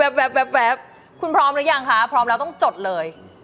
แป๊บคุณพร้อมหรือยังคะพร้อมแล้วต้องจดเลย